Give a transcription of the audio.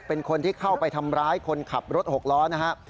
เป็นคนที่เข้าไปทำร้ายคนขับรถหกล้อนะครับ